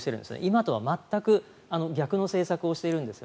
今とは全く逆の政策をしているんです。